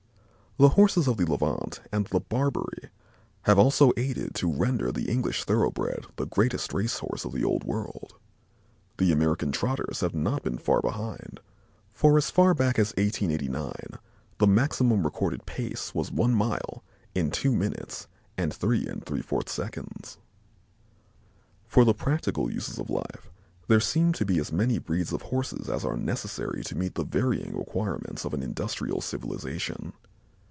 The Horses of the Levant and the Barbary have also aided to render the English thoroughbred the greatest race horse of the old world. The American trotters have not been behind, for as far back as 1889 the maximum recorded pace was one mile in two minutes and three and three fourths seconds. For the practical uses of life there seem to be as many breeds of Horses as are necessary to meet the varying requirements of an industrial civilization.